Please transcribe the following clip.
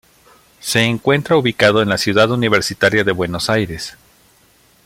Se encuentra ubicado en la Ciudad Universitaria de Buenos Aires.